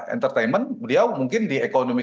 entertainment beliau mungkin di ekonomi